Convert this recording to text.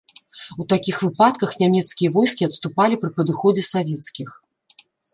У такіх выпадках нямецкія войскі адступалі пры падыходзе савецкіх.